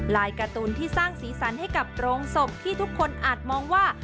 การ์ตูนที่สร้างสีสันให้กับโรงศพที่ทุกคนอาจมองว่า